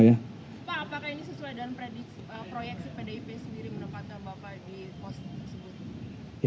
pak apakah ini sesuai dengan proyeksi pdip sendiri